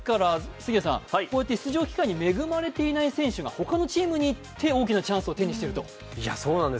こうやって出場機会に恵まれていない選手が他のチームに行って大きなチャンスを手にしていると。